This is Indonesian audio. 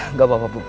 nggak apa apa bu